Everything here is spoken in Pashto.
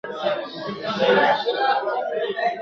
پر لمن د شنه اسمان به یوه ورځ وي لمر ختلی !.